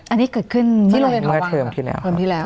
อันนี้เกิดขึ้นเมื่อเทิมที่แล้ว